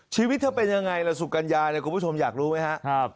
ชีวิตเธอเป็นยังไงล่ะสุกัญญาเนี่ยคุณผู้ชมอยากรู้ไหมครับ